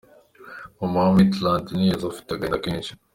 Mama wa Maitland Niles afite agahinda kenshi.